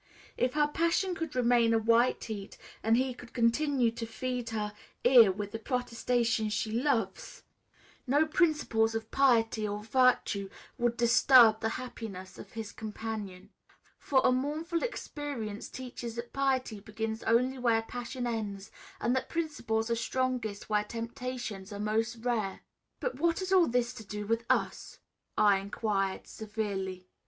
If his passion could remain at white heat and he could continue to feed her ear with the protestations she loves, no principles of piety or virtue would disturb the happiness of his companion; for a mournful experience teaches that piety begins only where passion ends, and that principles are strongest where temptations are most rare." "But what has all this to do with us?" I inquired severely.